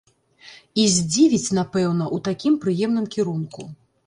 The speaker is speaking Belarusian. І здзівіць, напэўна, у такім прыемным кірунку.